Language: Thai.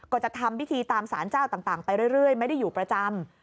ก็จะทำพิธีตามสารเจ้าต่างไปเรื่อยไม่ได้อยู่ประจำ